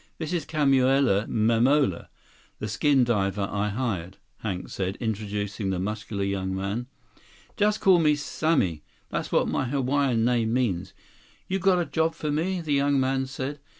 "This is Kamuela Mamola, the skin diver I hired," Hank said, introducing the muscular young man. "Just call me Sammy—that's what my Hawaiian name means. You got a job for me?" the young man said.